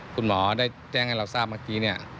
คุณหมอได้แจ้งให้เราทราบเมื่อกี้เนี่ย